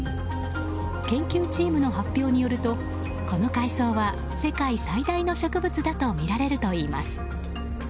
研究チームの発表によるとこの海草は世界最大の植物だとみられるといいます。